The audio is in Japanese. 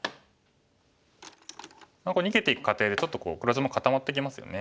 逃げていく過程でちょっと黒地も固まってきますよね。